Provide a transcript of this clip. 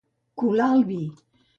Colar en vi.